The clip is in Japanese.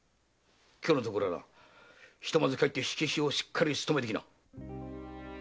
今日のところはひとまず帰って火消しをしっかり務めてきな。